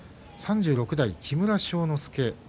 ３６代、木村庄之助